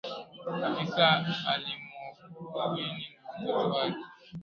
afisa alimwokoa winnie na watoto wake